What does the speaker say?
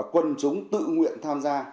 quân chúng tự nguyện tham gia